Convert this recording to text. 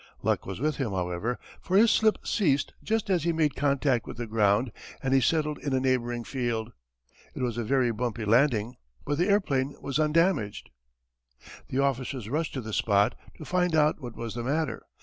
Luck was with him, however, for his slip ceased just as he made contact with the ground and he settled in a neighbouring field. It was a very bumpy landing but the airplane was undamaged. The officers rushed to the spot to find out what was the matter.